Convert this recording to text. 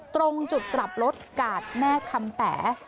ตรงจุดกลับรถกาดแม่คำแป๋